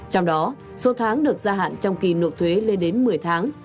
trong đó số tháng được gia hạn trong kỳ nộp thuế lên đến một mươi tháng